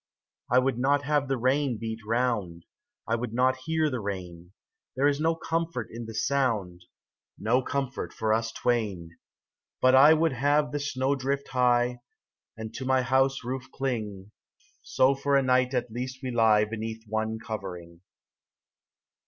I would not have the rain beat round, I would not hear the rain ; There is no comfort in the sound, No comfort for us twain. But I would have the snow drift high, And to my house roof cling, So for a night at least we lie Beneath one covering.